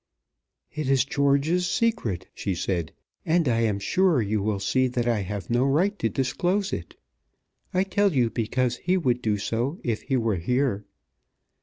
"It is George's secret," she said, "and I am sure you will see that I have no right to disclose it. I tell you because he would do so if he were here."